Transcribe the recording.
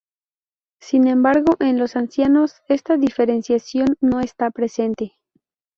Sin embargo, en los ancianos, esta diferenciación no está presente.